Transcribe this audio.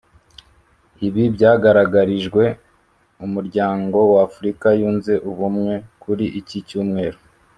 Ibi byagaragarijwe Umuryango wa Afurika Yunze Ubumwe kuri iki Cyumweru